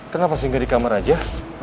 kenapa sih gak di kamar aja